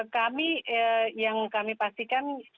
kami yang kami pastikan